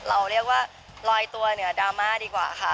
เราเรียกว่าลอยตัวเหนือดราม่าดีกว่าค่ะ